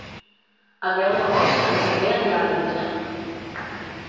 El deu d'agost en Roger anirà al metge.